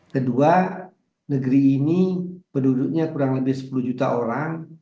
kedua negeri ini penduduknya kurang lebih sepuluh juta orang